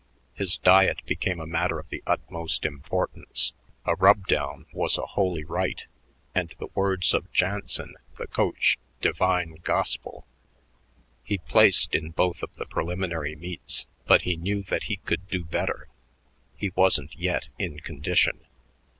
His diet became a matter of the utmost importance; a rub down was a holy rite, and the words of Jansen, the coach, divine gospel. He placed in both of the preliminary meets, but he knew that he could do better; he wasn't yet in condition.